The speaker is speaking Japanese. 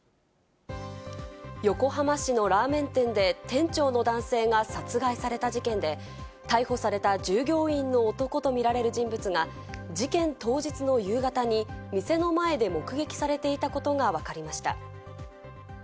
横浜市のラーメン店で店長の男性が殺害された事件で、逮捕された従業員の男とみられる人物が事件当日の夕方に、店の前で目撃されていたことがわかりました。